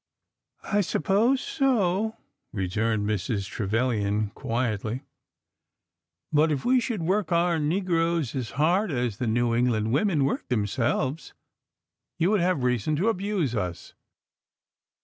I suppose so," returned Mrs. Trevilian, quietly; "but if we should work our negroes as hard as the New Eng land women work themselves, you would have reason to abuse us."